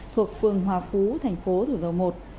thuộc phường hòa phú tp thủ dầu một